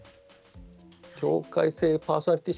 境界性パーソナリティー